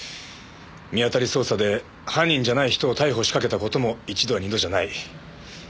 見当たり捜査で犯人じゃない人を逮捕しかけた事も一度や二度じゃない。